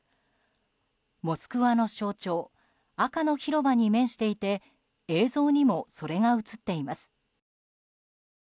モスクワの象徴赤の広場に面していて映像にもそれが映っています。